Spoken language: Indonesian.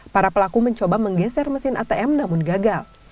para pelaku mencoba menggeser mesin atm namun gagal